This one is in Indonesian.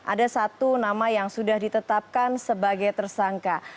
ada satu nama yang sudah ditetapkan sebagai tersangka